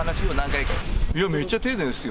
いや、めっちゃ丁寧ですよ。